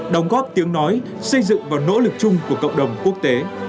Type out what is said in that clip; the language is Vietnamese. đóng góp tiếng nói xây dựng và nỗ lực chung của cộng đồng quốc tế